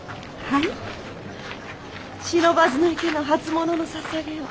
不忍池の初物のささげを。